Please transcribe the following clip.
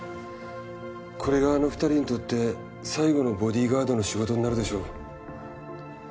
これがあの２人にとって最後のボディーガードの仕事になるでしょう。